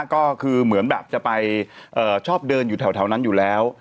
ก็คือเหมือนแบบจะไปชอบเดินอยู่แถวนั้นอยู่แล้ว